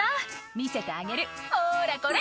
「見せてあげるほらこれ！」